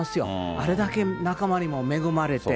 あれだけ仲間にも恵まれて。